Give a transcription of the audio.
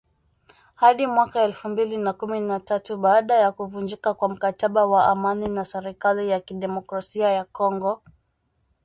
hadi mwaka elfu mbili na kumi na tatu baada ya kuvunjika kwa mkataba wa amani na serikali ya Demokrasia ya Kongo